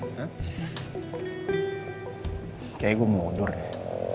kayaknya gue mau mundur ya